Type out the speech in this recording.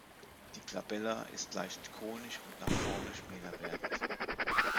Die Glabella ist leicht konisch und nach vorne schmäler werdend.